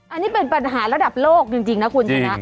อันนี้เป็นปัญหารัดับโรคจริงนะครับคุณครับ